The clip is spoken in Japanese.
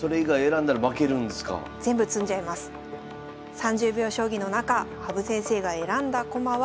３０秒将棋の中羽生先生が選んだ駒は。